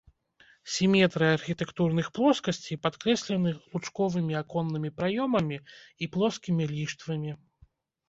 Сіметрыя архітэктурных плоскасцей падкрэслены лучковымі аконнымі праёмамі і плоскімі ліштвамі.